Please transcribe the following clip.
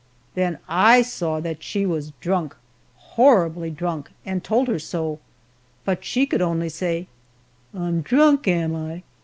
Then I saw that she was drunk, horribly drunk, and told her so, but she could only say, "I'm drunk, am I?"